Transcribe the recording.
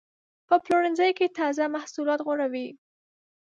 په پلورنځي کې تازه محصولات غوره وي.